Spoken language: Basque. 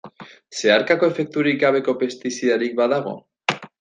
Zeharkako efekturik gabeko pestizidarik badago?